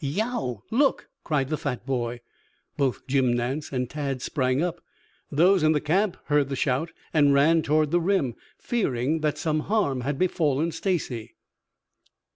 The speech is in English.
"Yeow! Look!" cried the fat boy. Both Jim Nance and Tad sprang up. Those in the camp heard the shout and ran toward the rim, fearing that some harm had befallen Stacy.